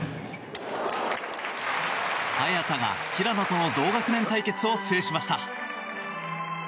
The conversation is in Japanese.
早田が平野との同学年対決を制しました。